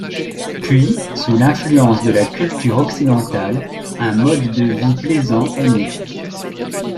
Puis, sous l'influence de la culture occidentale, un modes de vie plaisant est né.